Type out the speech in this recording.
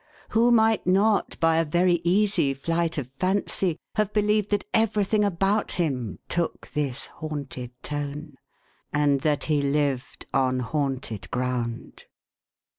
Who might not, by a very easy flight of fancy, have A VAULT LIKE DWELLING. 419 believed that everything about him took this haunted tone, and that he lived on haunted ground